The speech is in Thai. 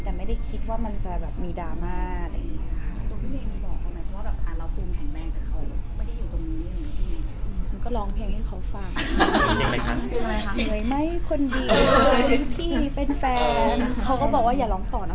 แต่ไม่คิดว่ามันจะมีดราม่าอะไรอย่างแบบนี้